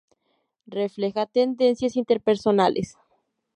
Refleja tendencias interpersonales.